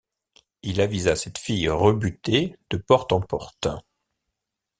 Il avisa cette fille rebutée de porte en porte.